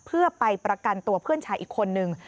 เพื่อไปประกันตัวเพื่อนชายอีกคนนึง